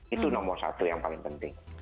itu nomor satu yang paling penting